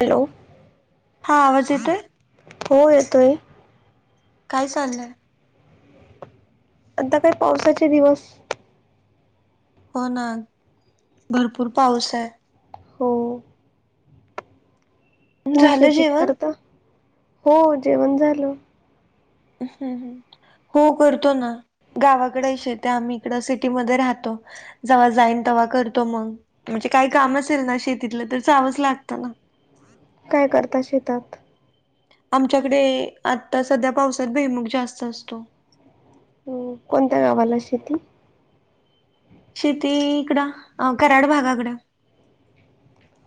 Hello. हा आवाज येतोय? हो येतोय. काय चाललंय? आता काय पावसाचे दिवस हो ना भरपूर पाऊस आहे. हो. तुम्ही झालं शेती जेवण करता हो जेवण झालं? हम् ह. हो करतो ना गावाकडे आहे शेत्या आम्ही इकड सिटीमध्ये राहतो. जव्हा जाईन तेव्हा करतो मंग म्हणजे काही काम असेल ना शेतीतलं तर जावच लागतं ना. काय करता शेतात? आमच्याकडे आता सध्या पावसात भैमुख जास्त असतो. कोणत्या गावाला शेती? शेती इकडं कराड भागाकडं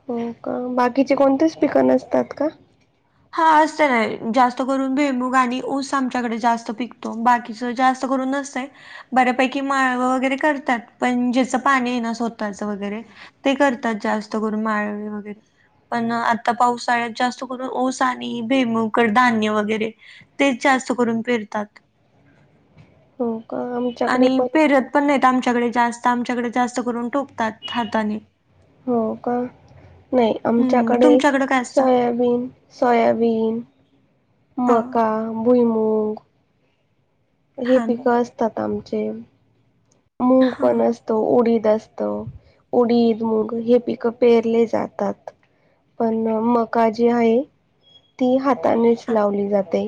हो का बाकीचे कोणतेच पिकं नसतात का? हा असतं ना जास्त करून भेमुग आणि ऊस आमच्याकडे जास्त पिकतो बाकी तसं जास्त करून नसते. बऱ्यापैकी माळवा वगैरे करतात पण ज्याचं पाणी आहे ना स्वतःचं वगैरे ते करतात जास्त करून माळ्यावी वगैरे पण आता पावसाळ्यात जास्त करून ऊस णी भेमुकर धान्य वगैरे तेच जास्त करून पेरतात. [inaudible] का आमच्याकडे आणि पण पेरत पण नाही आमच्याकडे जास्त आमच्याकडे जास्त करून टोकतात हाताने हो का नाही हं, आमच्याकडे तुमच्याकडं काय असतं? सोयाबीन सोयाबीन हां, मक्का, भुईमुग हे हां, पिकं असतात आमचे मूंग हां, पण असतात. त उडीद असत उडीद मग हे पिकं पेरले जातात. पण मका जे आहे ती हातानेच हां, लावली जाते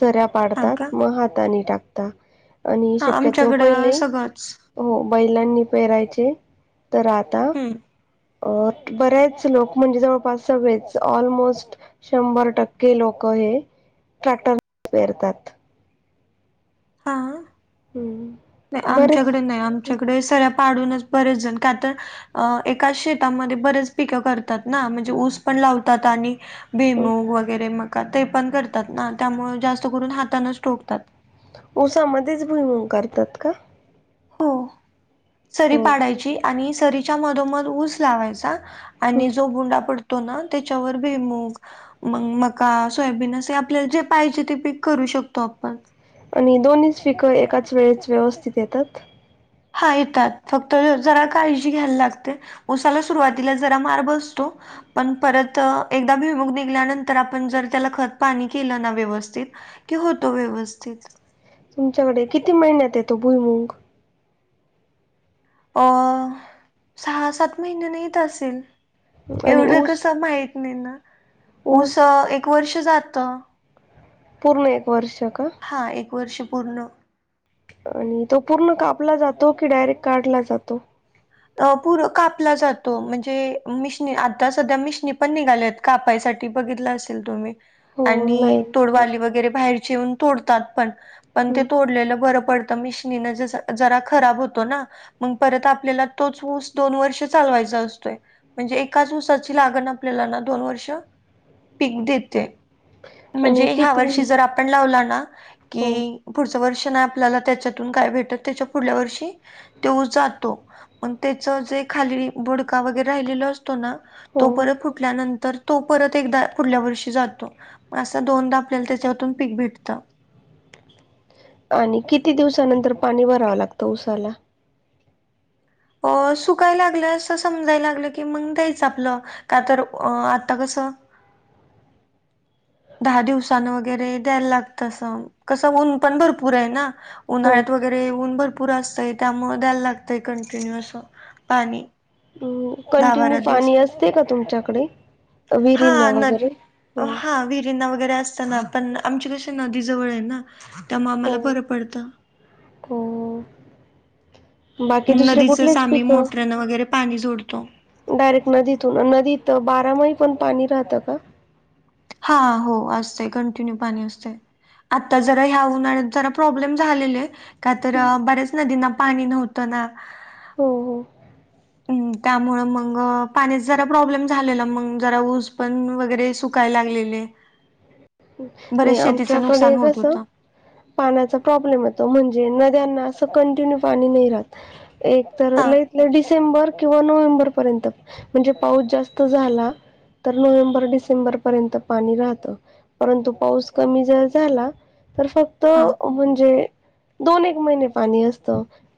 सराप हां पाडतात का? मग हाताने टाकता आणि शक्य तो पहिले गच हो बैलांनी पेहरायचे. तर आता, हम्म. अ बरेच लोकं म्हणजे, जवळपास सगळेच ऑलमोस्ट. शंभर टक्के लोक हे, ट्रॅक्टर ने पेरतात. हा. हम्म. बरेच आमच्याकडे नाही. आमच्याकडे सऱ्या पाडूनच बरेच जण का तर, अ एकाच शेतामध्ये बरेच पिक करतात ना. म्हणजे ऊस पण लावतात आणि, बेमूग वगैरे मका ते पण करतात ना त्यामुळे जास्त करून हातानच ठोकतात. उसामध्येच भुईमूग करतात का? हो, सरी हो. पाडायची आणि सरीच्या मधोमध ऊस लावायचा. आणि जो बुंडा पडतो ना, तेच्यावर बी मूग मग मका. सोयाबीन असे आपल्याला जे पाहिजे, ते पीक करू शकतो आपण. आणि दोन्हीच पिकं एकाच वेळेच व्यवस्थित येतात हा येतात फक्त जरा काळजी घ्यायला लागते. ऊसाला सुरुवातीला जरा मार बसतो. पण परत एकदा भुईमुग निघल्यानंतर, आपण जर त्याला खत पाणी केलं ना व्यवस्थित. कि होतो व्यवस्थित. तुमच्याकडे किती महिन्यात येतो भुईमुग. अ सहा सात महिन्यान येत असेल. आणि एवढं ऊस कसं माहित नाही ना ऊस ऊसं एक वर्ष जातं. पूर्ण एक वर्ष का? हां एक वर्ष पूर्ण. आणि तो पूर्ण कापला जातो, की डायरेक्ट काढला जातो. अ पुर कापला जातो म्हणजे, मिशनी आता सध्या मिशनी पण निघाल्यात. कापायसाठी बघितलं असेल तुम्ही, हो आणि ऑनलाईन तोडवाली वगैरे बाहेरची येऊन तोडतात पण पण ते हम्म तोडलेलं बरं पड त मिशनी जसा जरा खराब होतो ना मग परत आपल्याला तोच ऊस दोन वर्ष चालवायचा असतोय. म्हणजे एकाच ऊसाची लागण आपल्याला ना दोन वर्ष पीक देते. आणि म्हणजे ह्या किती वर्षी जर आपण लावला ना हो की पुढच्या वर्षाने आपल्याला त्याच्यातून काय भेटत त्याच्या पुढल्या वर्षी ते ऊस जातो. तेचा जे खाली बूडका वगैरे राहिलेलो असतो ना हो तो परत फू फूठल्यानंतर तो परत एकदा पुुढल्या वर्षी जातो. म असं दोनदा आपल्याला त्याच्यातून पीक भेटतं. आणि किती दिवसानंतर पाणी भरावं लागतं ऊसाला? अ सुकायला लागलं असं समजायला लागलं की मग द्यायचं आपलं. का तर अ आता कसं दहा दिवसान वगैरे द्यायला लागतस कसं ऊन पण भरपूर आहे ना. हो उन्हाळ्यात वगैरे ऊन भरपूर असतय त्यामुळं द्यायला लागतय कंटिन्यु असं पाणी. हम्म, दहा कंटिन्यू बारा पाणी दिवसाला असते, का तुमच्याकडे. विरिंना वगैरे हो. जिना वगैरे असताना पण, आमची कशी नदी जवळ आहे ना, त्यामुळे आम्हाला बरं पडतं. को बाकी दुसरे नदीचच कुठलेच आम्ही पिकं मोटरानं वगैरे पाणी जोडतो डायरेक्ट नदीतून नदीत बारामही पण पाणी राहतं का? हा, हो असतं कंटिन्यू पाणी असतंय. आता जरा उन्हाळ्यात जरा प्रॉब्लेम झालेले का तर हो बऱ्याच नदींना पाणी नव्हतं ना, हो हो. हम्म त्यामुळे मग पाण्याचा जरा प्रॉब्लेम झालेला मग जरा ऊस पण वगैरे सुक काय लागलेले. नाही बरेच शेतीचं नुकसान आमच्याकडे होत कसं, होतं पाण्याचा प्रॉब्लेम येतो म्हणजे नद्यांना असं कंटिन्यू पाणी नाही राहत एक. तर हा लईत लई डिसेंबर किंवा नोव्हेंबर पर्यंत म्हणजे पाऊस जास्त झाला. तर नोव्हेंबर डिसेंबर पर्यंत पाणी राहतं. परंतु पाऊस कमी जर झाला तर फक्त हा म्हणजे दोन एक महिने पाणी असत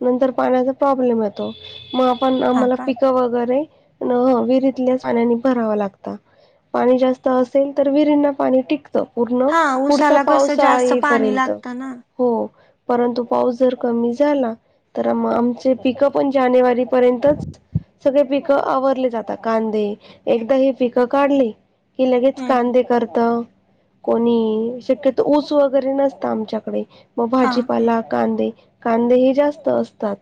नंतर पाण्याचा प्रॉब्लेम अ तो मग आपण हा आम्हाला का पिकप वगैरे. न विहिरीतल्या पाण्यानी भरावा लागता पाणी जास्त असेल तर विहरींना पाणी टिक पूर्ण हा पुढचा उसाला कसं पावसाळा जास्त येइ पाणी पर्यंत. लागतं ना हो परंतु पाऊस जर कमी झाला. तर म आमचे पिक पण जानेवारीपर्यंतच सगळे पिकं आवरली जातात कांदे एकदा ही पिकं काढले. कि लगेच हम्म हम्म. कांदे करत. कोणी शक्यतो ऊस वगैरे नसत आमच्याकडे मग हा भाजीपाला कांदे. कांदे हे जास्त असतात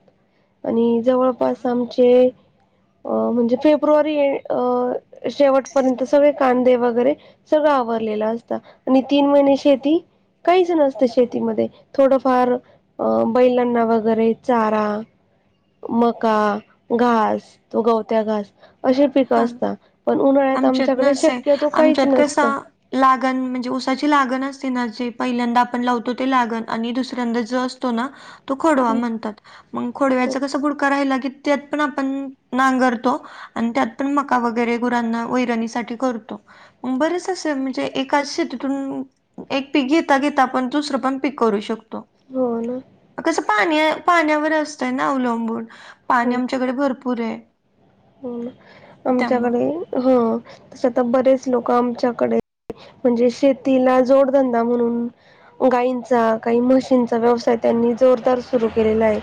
आणि जवळपास आमचे अ म्हणजे फेब्रुवारी अ शेवटपर्यंत सगळे कांदे वगैरे सगळं आवरलेलं असतं आणि तीन महिने शेती. काहीच नसतं शेतीमध्ये थोडंफार अ बैलांना वगैरे चारा. मका घास तो गवत्या घास. अशी पिकं हा असतात पण उन्हाळ्यात आमच्यात आमच्याकडे नसं आहे शक्यतो काहीच आमच्यात कसा नसतं. लागण म्हणजे उसाची लागण असते ना जे पहिल्यांदा आपण लावतो ते लागण आणि दुसऱ्यांदा जस. तो ना तो खोडवा म्हणतात मग खोडव्याचा कसा बुडका राहीला की त्यात पण आपण नांगरतो आणि त्यात- पण मका वगैरे गुरांना वैरणीसाठी करतो. हम्म बरंच असं म्हणजे एका शेतीतून एक पीक घेता घेता आपण दुसरं पण पीक करू शकतो. हो ना. कसं पाणी पाण्यावर असतंय ना अवलंबून पाणी आमच्याकडे भरपूर आहे. हम्म त्यामुळे आमच्याकडे ह तस आता बरेच लोक आमच्याकडे म्हणजे शेतीला जोडधंदा म्हणून. गायींचा काही म्हशीचा व्यवसाय त्यांनी जोरदार सुरू केलेला आहे.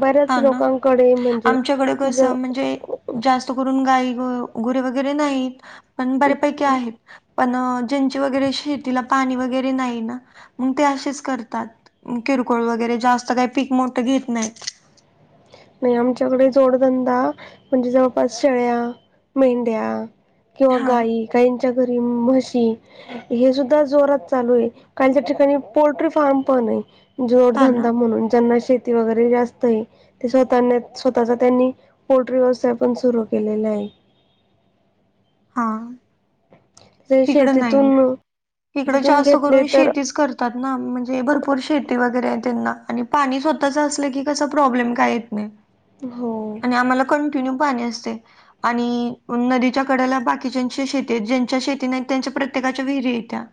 बऱ्याच हा ना. लोकांकडे म्हणजे आमच्याकडे ज कसं म्हणजे जास्त करून गाई गुरे वगैरे नाहीत पण बऱेपैकी आहेत. पण ज्यांचे वगैरे शेतीला पाणी वगैरे नाही ना मग ते असेच करतात. किरकोळ वगैरे जास्त काही पीक मोठं घेत नाहीत. नाही आमच्याकडे जोडधंदा म्हणजे जवळपास शेळ्या, मेंढ्या. किंवा हा गाई काही च्या घरी म्हशी. हे सुद्धा जोरात चालू आहे काहीच्या ठिकाणी पोल्ट्री फार्म पण आहे. हा ना जोडधंदा म्हणून ज्यांना शेती वगैरे जास्त हाय. ते स्वतः स्वतःचा त्यांनी पोल्ट्री व्यवसाय पण सुरू केलेला आहे. हा. ते तिकडं नाही शेतीतून तिकडं तिथून जास्त घेतले करून तर शेतीच कर होतात ना म्हणजे भरपूर शेती वगैरे आहे त्यांना आणि पाणी स्वतःच असलं की कस प्रॉब्लेम काय येत नाही हो.. आणि आम्हाला कंटिन्यू पाणी असतय. आणि नदीच्या कडला बाकीच्याची शेती ज्यांच्या शेत नाही त्यांच्या प्रत्येकाच्या विहिरी हायत्या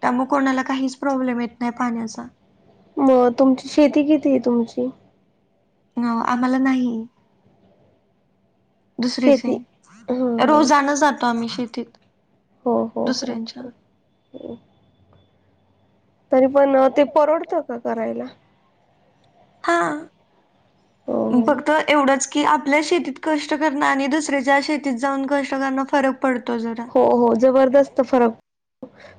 त्यामुळे कोणाला काहीच प्रॉब्लेम येत नाही पाण्याचा. मग तुमची शेती किती आहे तुमची? ह आम्हाला नाही. दुसरी स शेती हा हा रोजान जातो आम्ही शेतीत. हो हो हो दुसऱ्यांच्या हो. तरी पण ते परवडतं का करायला. हा हो फक्त हो एवढंच की आपल्या शेतीत कष्ट करण आणि दुसऱ्याच्या शेतीत जाऊन कष्ट करण फरक पडतो जरा. हो हो जबरदस्त फरक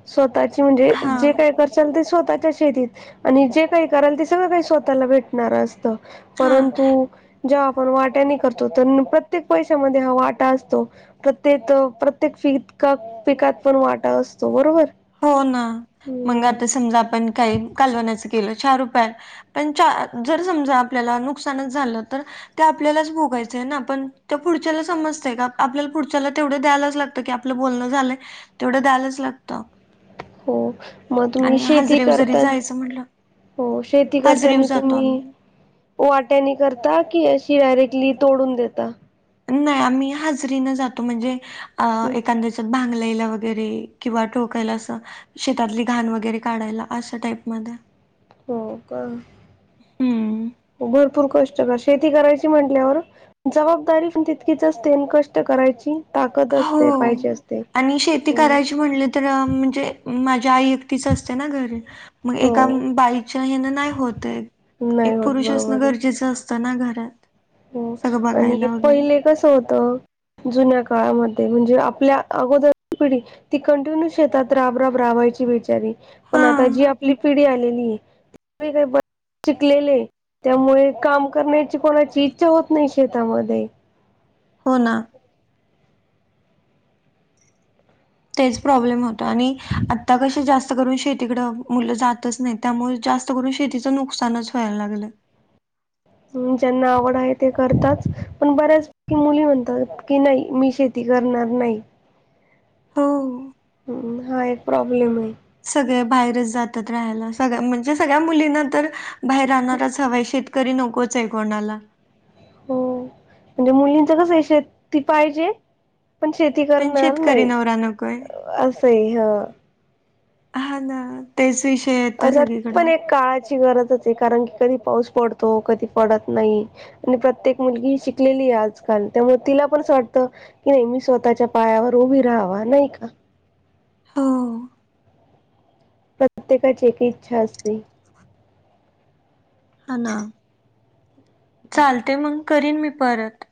स्वतःची म्हणजे हा जे काही कर. ते स्वतःच्या शेतीत आणि जे काही कराल ते सगळं काही स्वतःला भेटणार असतं. हा परंतु जेव्हा आपण वाट्यानी करतो तर प्रत्येक पैशामध्ये हा वाटा असतो प्रत्येक प्रत् त्येक फितकप पिकात पण वाटा असतो बरोबर. हो ना मग हम्म आता समजा आपण काही कालवनाचं केलं चार रुपया. पण चा जर समजा आपल्याला नुकसानच झालं तर ते आपल्यालाच भोगायचंय ना पण त्या पुढच्याला समजतय का आपल्याला पुढच्याला तेवढे द्यायलाच लाग त की आपलं बोलणं झालं तेवढं द्यायलाच लागत. हो. मग तुम्ही शेती हाजरीव जरी करताना जायचं म्हटलं हो शेती हाजरीव करतानी जातो तुम्ही? आम्ही. वाट्यानी करता की अशी डायरेक्टली तोडून देता. नाही आम्ही हजरीन जातो म्हणजे अ एखाद्याच. भांगलायला वगैरे किंवा ठोकायला असं. शेतातली घाण वगैरे काढायला अशा टाईप मध्ये. हो का हम्म. भरपूर कष्ट कर शेती करायची म्हंटल्यावर. जबाबदारी पण तितकी जास्त कष्ट करायची. ताकद असते हो पाहिजे असते. आणि शेती हो करायची म्हणली. तर अ म्हणजे माझ्या आई एकटच असते ना घरी. मग एका हो बाईच्या हेन नाही होतय नाही एक होत पुरुष बरोबर असणं आहे. गरजेचं असत. चा ना घरात. हो सगळं आणि बघायला वगैरे पहिले कसं होत. जुन्या काळामध्ये म्हणजे आपल्या अगोदर पिढी. ती कंटिन्यू शेतात राब राब रावायची बिचारी. हा पण आता जी आपली पिढी आलेली. काही शिकलेले त्यामुळे काम करण्याची कोणाची इ छा होत नाही शेतामध्ये हो ना. तेच प्रॉब्लेम होतो आणि आता कशी जास्त करून शेतीकडे मुलं जातच नाहीत. त्यामुळे जास्त करून शेतीचं नुकसानच व्हायला लागलं. ज्यांना आवड आहे ते करताच पण बऱ्याच की मुली म्हणतात की नाही मी शेती करणार नाही. हो. हम हा एक प्रॉब्लेम आहे. सगळे बाहेरच जातात राहायला सगळ्या म्हणजे सगळ्या मुलींना तर बाहेर राहणारच हवा शेत करी नकोच आहे कोणाला. हो म्हणजे मुलींचं कसं आहे शेती पाहिजे. पण शेती पण करणार शेतकरी नाही नवरा नकोय. असंय ह. हा ना. तेच विषय येत अता पण सगळीकडं एक काळाची गरजच आहे, कारण की कधी पाऊस पडतो कधी पडत नाही. आणि प्रत्येक मुलगी शिकलेली आहे, आजकाल त्यामुळं तिला पण असं वाटतं. नाही मी स्वतःच्या पायावर उभी राहावा नाही का? हो. प्रत्येकाची एक इच्छा असते. हा ना चालते मग करीन मी परत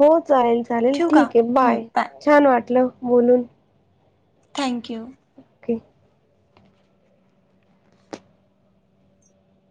हो चालेल चालेल ठेवू का ठीक आहे, हम्म, बाय छान वाटलं बोलून. थँक्यू. ओके.